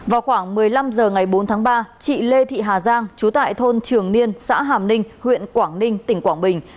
vào khoảng một mươi năm h ngày bốn tháng ba chị lê thị hà giang chú tại thôn trường niên xã hàm ninh huyện quảng ninh tỉnh quảng bình